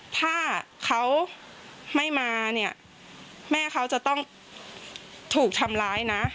ถ้าเขาไม่มาเนี่ยแม่เขาจะต้องถูกทำร้ายนะ